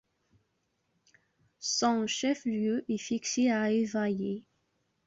Son chef-lieu est fixé à Évaillé.